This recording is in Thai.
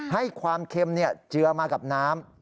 ให้ความเค็มเจือมากับน้ำ